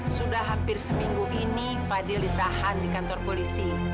sudah hampir seminggu ini fadil ditahan di kantor polisi